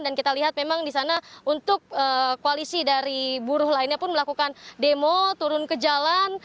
dan kita lihat memang di sana untuk koalisi dari buruh lainnya pun melakukan demo turun ke jalan